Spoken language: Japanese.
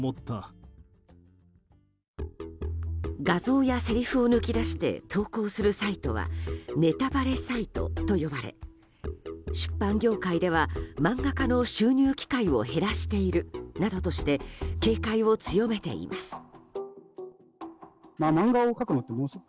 画像やせりふを抜き出して投稿するサイトはネタバレサイトと呼ばれ出版業界では漫画家の収入機会を減らしているなどとして警戒を強めています。